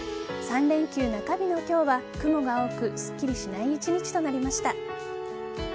３連休中日の今日は雲が多くすっきりしない１日となりました。